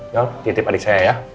yuk titip adik saya ya